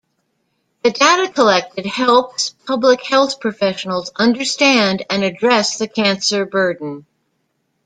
The data collected helps public health professionals understand and address the cancer burden.